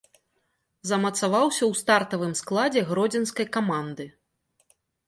Замацаваўся ў стартавым складзе гродзенскай каманды.